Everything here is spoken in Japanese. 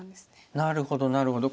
なるほどなるほど。